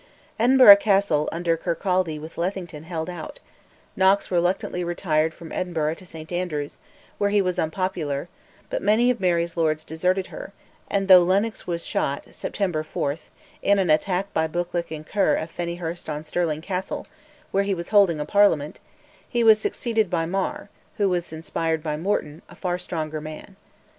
Edinburgh Castle, under Kirkcaldy with Lethington, held out; Knox reluctantly retired from Edinburgh to St Andrews, where he was unpopular; but many of Mary's Lords deserted her, and though Lennox was shot (September 4) in an attack by Buccleuch and Ker of Ferniehirst on Stirling Castle, where he was holding a Parliament, he was succeeded by Mar, who was inspired by Morton, a far stronger man.